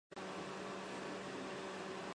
毕业于西南财经大学经济管理专业。